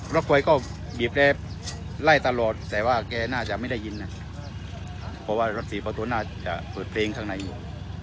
รถไฟก็บีบแต่ไล่ตลอดแต่ว่าแกน่าจะไม่ได้ยินนะเพราะว่ารถสี่ประตูน่าจะเปิดเพลงข้างในอยู่